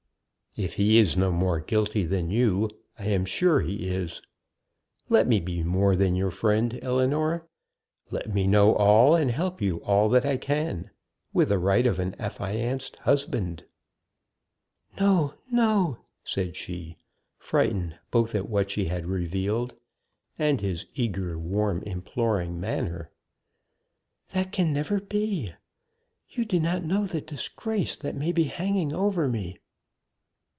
"If he is no more guilty than you, I am sure he is! Let me be more than your friend, Ellinor let me know all, and help you all that I can, with the right of an affianced husband." "No, no!" said she, frightened both at what she had revealed, and his eager, warm, imploring manner. "That can never be. You do not know the disgrace that may be hanging over me."